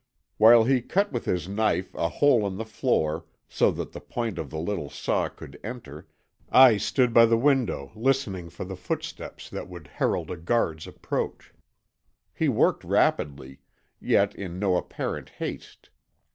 While he cut with his knife a hole in the floor, so that the point of the little saw could enter, I stood by the window listening for the footsteps that would herald a guard's approach. He worked rapidly, yet in no apparent haste.